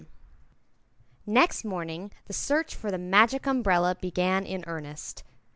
Next morning the search for the Magic Umbrella began in earnest.